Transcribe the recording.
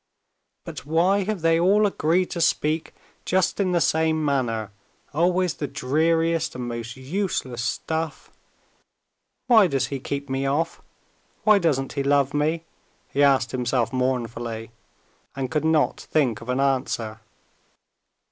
"But why have they all agreed to speak just in the same manner always the dreariest and most useless stuff? Why does he keep me off; why doesn't he love me?" he asked himself mournfully, and could not think of an answer.